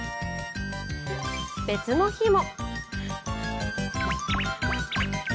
別の日も。